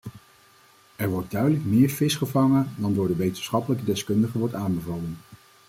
Er wordt duidelijk meer vis gevangen dan door de wetenschappelijke deskundigen wordt aanbevolen.